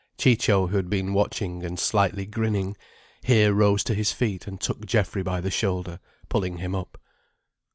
Ciccio, who had been watching and slightly grinning, here rose to his feet and took Geoffrey by the shoulder, pulling him up.